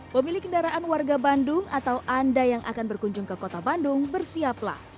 pemilik kendaraan warga bandung atau anda yang akan berkunjung ke kota bandung bersiaplah